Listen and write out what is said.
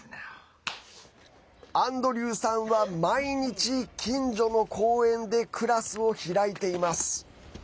アンドリューさんは毎日近所の公園でクラスを開いています。